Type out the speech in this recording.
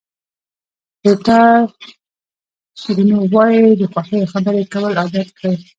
ریتا شیلینو وایي د خوښیو خبرې کول عادت کړئ.